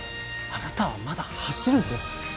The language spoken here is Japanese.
あなたはまだ走るんです！